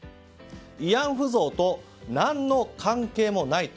慰安婦像と何の関係もない。